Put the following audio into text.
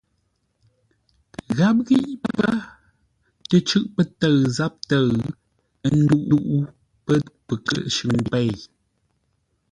Gháp ghí pə́ tə cʉ́ʼ pə́ tə̂ʉ záp tə̌ʉ, ə́ ndúʼú pə́ pəkə́shʉŋ pêi.